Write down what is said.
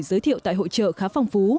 giới thiệu tại hội trợ khá phong phú